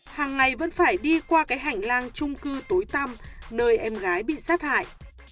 hàng ngày vẫn phải đi qua cái hành lang trung cư tối tam nơi em gái bị sát hại